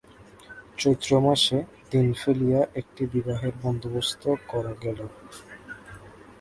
চৈত্রমাসে দিন ফেলিয়া একটা বিবাহের বন্দোবস্ত করা গেল।